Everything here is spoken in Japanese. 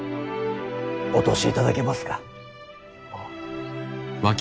お通しいただけますか。